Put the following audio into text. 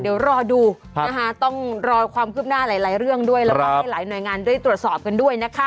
เดี๋ยวรอดูนะคะต้องรอความคืบหน้าหลายเรื่องด้วยแล้วก็ให้หลายหน่วยงานได้ตรวจสอบกันด้วยนะคะ